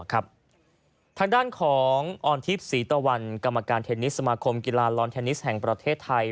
ทางด้านของออนทิพย์ศรีตะวันกรรมการเทนนิสสมาคมกีฬาลอนเทนนิสแห่งประเทศไทย